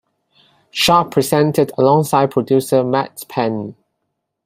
Sharp presented alongside producer Matt Penn.